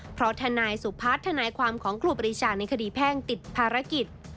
เพราะทนายสุพัฒน์ทนายความของครูปรีชาในคดีแพ่งติดภารกิจ